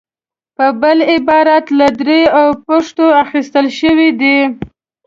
په بل عبارت له دري او پښتو اخیستل شوې دي.